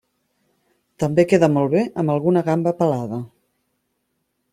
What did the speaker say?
També queda molt bé amb alguna gamba pelada.